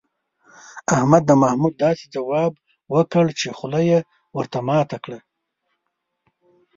احمد د محمود داسې ځواب وکړ، چې خوله یې ور ماته کړه.